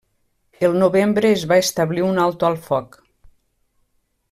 El novembre es va establir un alto el foc.